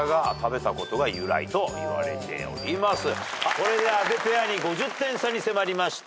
これで阿部ペアに５０点差に迫りました。